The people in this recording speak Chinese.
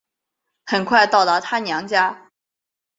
很快到达她娘家